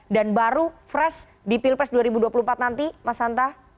dan baru fresh di pilpres dua ribu dua puluh empat nanti mas hanta